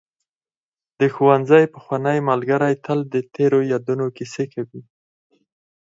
د ښوونځي پخواني ملګري تل د تېرو یادونو کیسې کوي.